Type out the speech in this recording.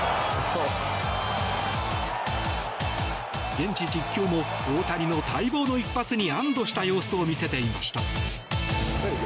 現地実況も大谷の待望の一発に安堵した様子を見せていました。